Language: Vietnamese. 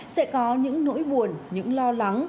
sẽ có những nỗi buồn những lo lắng